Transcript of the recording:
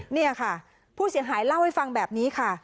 นี่ค่ะผู้เสียหายเล่าให้ฟังแบบนี้ค่ะ